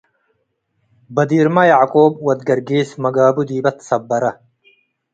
በዲርማ የዕቆብ ወድ ገርጊስ - መጋቡ ዲበ ትሰበረ